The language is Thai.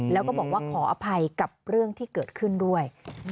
แล้วก็บอกว่าขออภัยกับเรื่องที่เกิดขึ้นด้วย